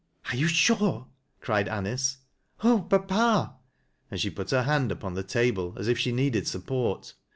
"Are you sure?" cried Anice. "Oh! papa," and sh pat her hand upon the table as if she needed support.